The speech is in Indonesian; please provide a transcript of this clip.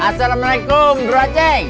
assalamualaikum bro aceh